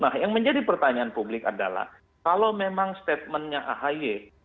nah yang menjadi pertanyaan publik adalah kalau memang statementnya ahi